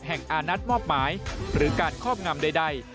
อานัดมอบหมายหรือการครอบงำใด